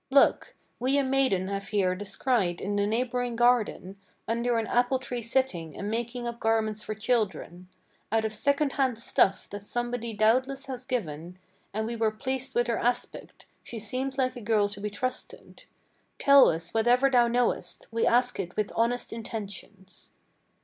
"Look! we a maiden have here descried in the neighboring garden, Under an apple tree sitting, and making up garments for children "Out of second hand stuff that somebody doubtless has given; And we were pleased with her aspect: she seems like a girl to be trusted. Tell us whatever thou knowest: we ask it with honest intentions."